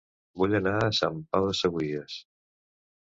Vull anar a Sant Pau de Segúries